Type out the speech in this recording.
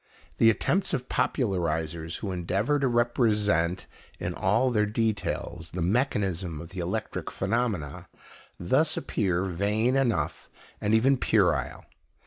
The attempts of popularizers who endeavour to represent, in all their details, the mechanism of the electric phenomena, thus appear vain enough, and even puerile.